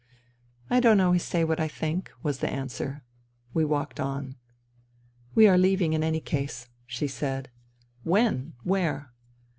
" I don't always say what I think," was the answer. We walked on. '* We are leaving in any case," she said. "When? Where?"